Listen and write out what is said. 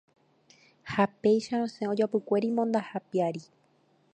Ha péicha rosẽ ojoapykuéri mondaha piári.